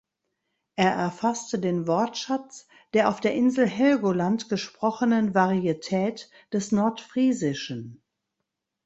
Er erfasste den Wortschatz der auf der Insel Helgoland gesprochenen Varietät des Nordfriesischen.